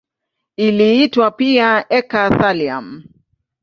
Iliitwa pia eka-thallium.